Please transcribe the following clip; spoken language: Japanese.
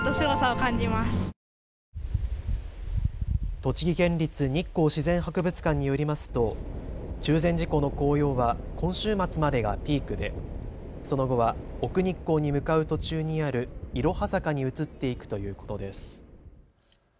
栃木県立日光自然博物館によりますと中禅寺湖の紅葉は今週末までがピークでその後は奥日光に向かう途中にあるいろは坂に移っていくということです。